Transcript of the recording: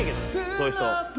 そういう人。